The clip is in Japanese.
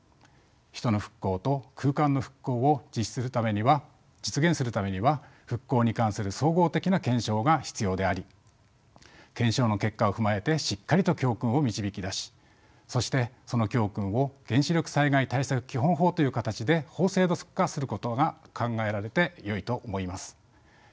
人の復興と空間の復興を実現するためには復興に関する総合的な検証が必要であり検証の結果を踏まえてしっかりと教訓を導き出しそしてその教訓を原子力災害対策基本法という形で法制度化することが考えられてよいと思います。